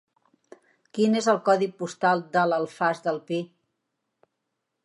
Quin és el codi postal de l'Alfàs del Pi?